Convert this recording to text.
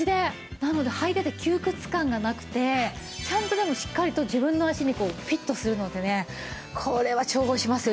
なので履いてて窮屈感がなくてちゃんとでもしっかりと自分の足にフィットするのでこれは重宝しますよ